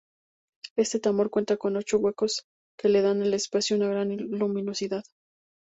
Este tambor cuenta con ocho huecos que le dan al espacio una gran luminosidad.